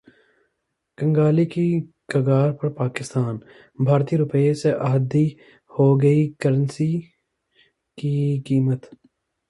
कंगाली की कगार पर पाकिस्तान! भारतीय रुपये से आधी हो गई करेंसी की कीमत